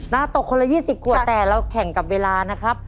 ตกคนละ๒๐ขวดแต่เราแข่งกับเวลานะครับ